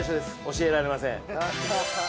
教えられません。